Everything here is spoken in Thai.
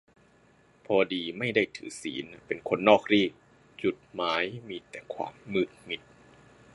พอดีไม่ได้ถือศีลอะ เป็นคนนอกรีต จุดหมายมีแต่ความมืดมิด